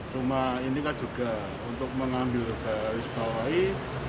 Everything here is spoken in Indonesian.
cuma ini kan juga untuk mengambil dari sebalik lain